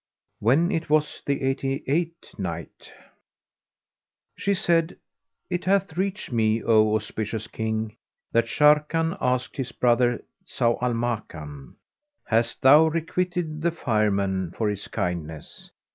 When it was the Eighty eighth Night, She said, It hath reached me, O auspicious King, that Sharrkan asked his brother Zau al Makan, "Hast thou requited the Fireman for his kindness?"